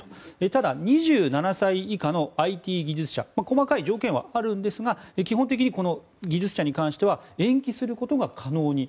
ただ２７歳以下のＩＴ技術者細かい条件はあるんですが基本的に延期することが可能に。